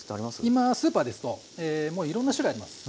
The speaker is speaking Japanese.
今スーパーですともういろんな種類あります。